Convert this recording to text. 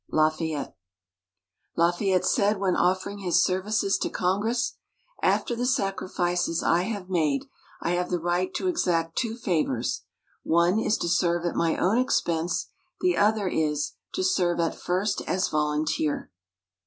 _ LAFAYETTE LAFAYETTE SAID WHEN OFFERING HIS SERVICES TO CONGRESS _After the sacrifices I have made, I have the right to exact two favours. One is to serve at my own expense the other is, to serve at first as volunteer.